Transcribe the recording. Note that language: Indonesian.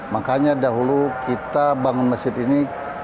makanya dahulu kita bangun masjid ini